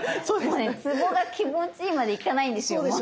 もうねツボが気持ちいいまでいかないんですよ。